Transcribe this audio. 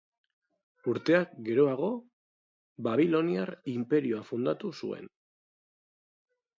Urteak geroago Babiloniar inperioa fundatu zuen.